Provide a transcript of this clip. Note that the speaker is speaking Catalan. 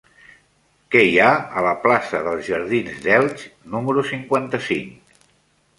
Què hi ha a la plaça dels Jardins d'Elx número cinquanta-cinc?